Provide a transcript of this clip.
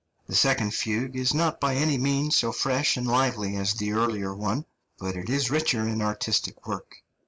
The second fugue is not by any means so fresh and lively as the earlier one, but it is richer in artistic work.